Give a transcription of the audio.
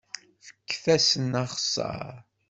Fket-asen axeṣṣar!